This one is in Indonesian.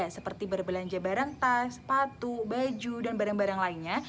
seperti berbelanja barang tas sepatu baju dan barang barang lainnya